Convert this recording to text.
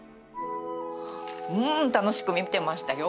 うん楽しく見てましたよ。